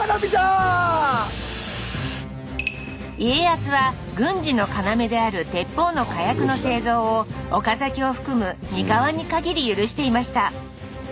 家康は軍事の要である鉄砲の火薬の製造を岡崎を含む三河に限り許していました。